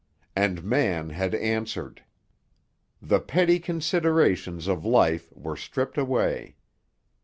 And man had answered. The petty considerations of life were stripped away.